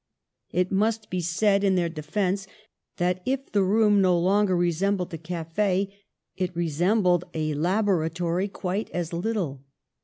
It must be said in their defense that, if the room no longer resembled a cafe, it resembled a laboratory quite as little.